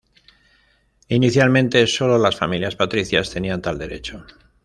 Inicialmente sólo las familias patricias tenían tal derecho.